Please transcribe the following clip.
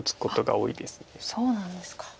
そうなんですか。